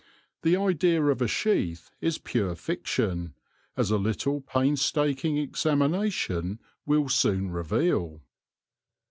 The idea of a sheath is pure fiction, as a little painstaking examination will soon reveal.